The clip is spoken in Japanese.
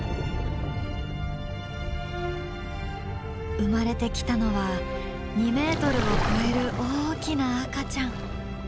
生まれてきたのは２ｍを超える大きな赤ちゃん。